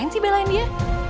gimana sih belain dia